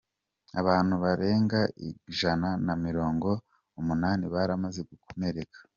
Abantu barenga ijana na mirongo umunani baramaze gukomereka.